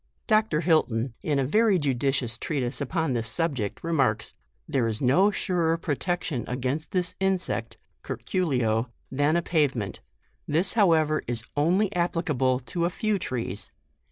Dr. Hilton, in a very judicious treatise up on this subject, remarks, " There is no surer protection against this insect, (curculio) than a pavement; this how ever is only applicable to a few trees.